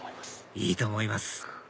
いいと思います